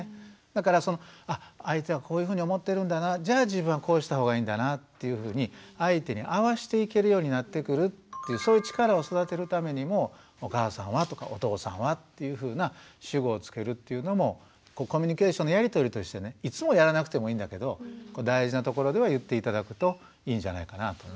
だから相手はこういうふうに思ってるんだなじゃあ自分はこうした方がいいんだなっていうふうに相手に合わしていけるようになってくるっていうそういう力を育てるためにもお母さんはとかお父さんはというふうな主語をつけるっていうのもコミュニケーションのやり取りとしてねいつもやらなくてもいいんだけど大事なところでは言って頂くといいんじゃないかなと。